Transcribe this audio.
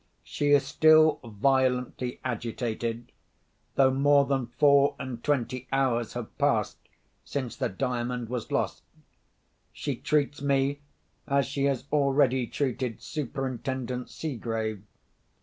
She is still violently agitated, though more than four and twenty hours have passed since the Diamond was lost. She treats me as she has already treated Superintendent Seegrave.